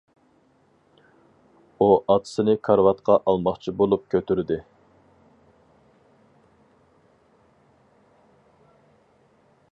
ئۇ ئاتىسىنى كارىۋاتقا ئالماقچى بولۇپ كۆتۈردى.